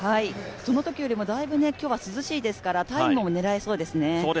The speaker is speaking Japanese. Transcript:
そのときよりもだいぶ涼しいですからタイムも期待できそうですね。